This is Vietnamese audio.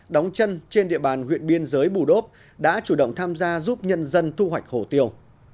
đóng chân trên địa bàn huyện biên giới bù đốp đã chủ động tham gia giúp nhân dân thu hoạch hổ tiêu